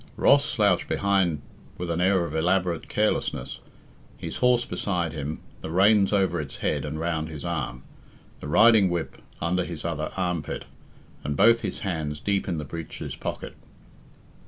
Ross slouched behind with an air of elaborate carelessness, his horse beside him, the reins over its head and round his arm, the riding whip under his other arm pit, and both his hands deep in the breeches pockets.